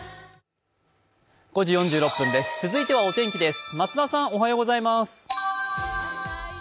続いてはお天気です。